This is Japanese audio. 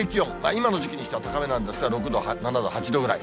今の時期にしては高めなんですが、６度、７度、８度くらい。